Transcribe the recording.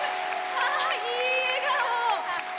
いい笑顔！